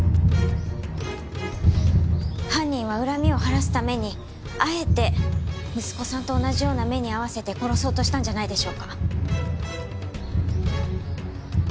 犯人は恨みを晴らすためにあえて息子さんと同じような目に遭わせて殺そうとしたんじゃないでしょうか？